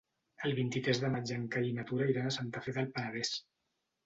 El vint-i-tres de maig en Cai i na Tura iran a Santa Fe del Penedès.